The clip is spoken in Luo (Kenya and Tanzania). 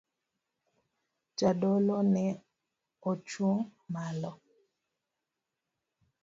Jadolo ne ochung' malo.